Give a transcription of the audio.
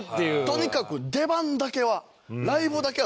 とにかく出番だけは。